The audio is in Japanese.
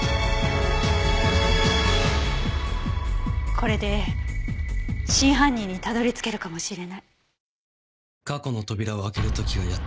これで真犯人にたどり着けるかもしれない。